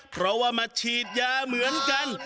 เพราะว่ามาฉีดยาเหมือนกัน